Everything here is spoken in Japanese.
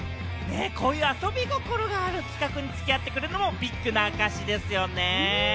こういう遊び心がある企画に付き合ってくれるのもビッグな証ですよね。